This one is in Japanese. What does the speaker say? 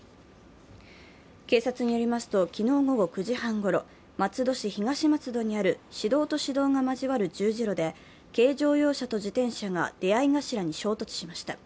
警察によりますと、昨日午後９時半ごろ、松戸市東松戸にある市道と市道が交わる十字路で、軽乗用車と自転車が出会い頭に衝突しました。